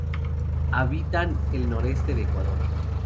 Habitan el noroeste de Ecuador.